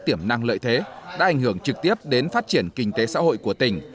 tiểm năng lợi thế đã ảnh hưởng trực tiếp đến phát triển kinh tế xã hội của tỉnh